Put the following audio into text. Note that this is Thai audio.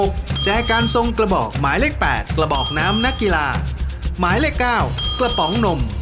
อดเลยอยากได้ซ้อม